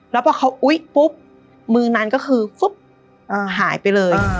แล้วพอเขาอุ๊ยปุ๊บมือนั้นก็คือฟุ๊บหายไปเลย